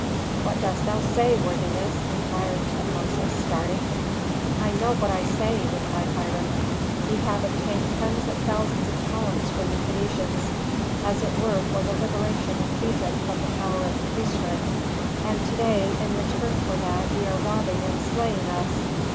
"What dost thou say, worthiness?" inquired Tutmosis, starting. "I know what I say!" replied Hiram. "Ye have obtained tens of thousands of talents from the Phœnicians, as it were for the liberation of Egypt from the power of the priesthood, and to day in return for that ye are robbing and slaying us.